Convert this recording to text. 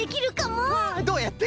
どうやって？